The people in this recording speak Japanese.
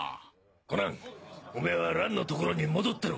コナンおめは蘭の所に戻ってろ！